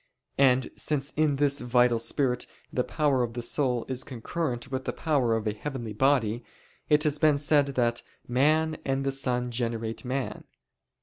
And since in this (vital) spirit the power of the soul is concurrent with the power of a heavenly body, it has been said that "man and the sun generate man."